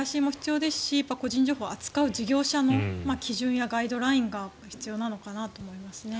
個人リテラシーも必要ですし個人情報を扱う企業も基準やガイドラインが必要なのかなと思いますね。